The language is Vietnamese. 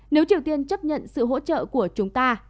nếu triều tiên chấp nhận sự hỗ trợ của chúng ta